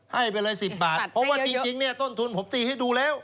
ให้ไปเลย๑๐บาทเพราะว่าจริงเนี่ยต้นทุนผมตีให้ดูแล้ว